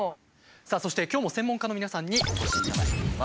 さあそして今日も専門家の皆さんにお越しいただいています。